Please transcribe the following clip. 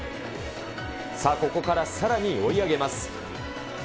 さあここからさらに追い上げます。